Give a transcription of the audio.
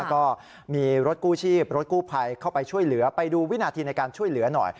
ก็มีรถกู้ชีพรถกู้ภัยเข้าไปช่วยเหลือไปดูวินาทีในการช่วยเหลือหน่อย